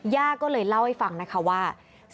ย่าก็เลยเล่าให้ฟังนะคะว่า